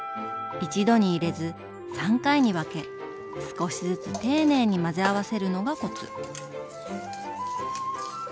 一度に入れず３回に分け少しずつ丁寧に混ぜ合わせるのがコツ。